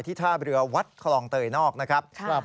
ท่าเรือวัดคลองเตยนอกนะครับ